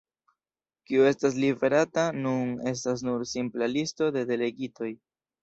Kio estas liverata nun, estas nur simpla listo de delegitoj.